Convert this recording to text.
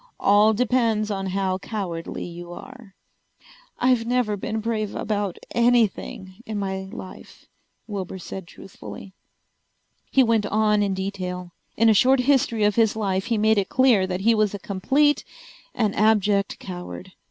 All depends on how cowardly you are." "I've never been brave about anything in my life," Wilbur said truthfully. He went on in detail. In a short history of his life he made it clear that he was a complete and abject coward.